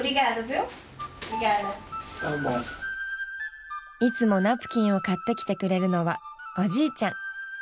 いつもナプキンを買ってきてくれるのはおじいちゃん。